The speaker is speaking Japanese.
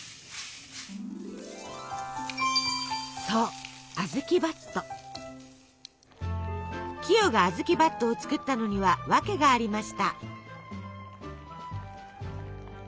そうキヨがあずきばっとを作ったのにはわけがありました。